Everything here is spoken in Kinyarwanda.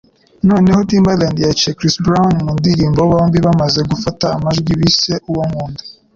Noneho, Timbaland yaciye Chris Brown mu ndirimbo bombi bamaze gufata amajwi bise Uwo Nkunda.